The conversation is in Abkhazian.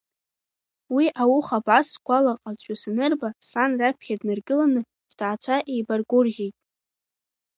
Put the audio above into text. Уи ауха абас сгәалаҟазшәа санырба, сан раԥхьа днаргыланы, сҭаацәа еибаргәырӷьеит.